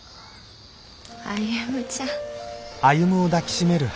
歩ちゃん。